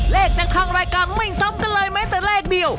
เลขจากข้างรายการไม่ซ้ำกันเลยแม้แต่เลขเดียว